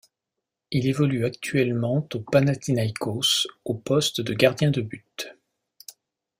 Il évolue actuellement au Panathinaïkos, au poste de gardien de but.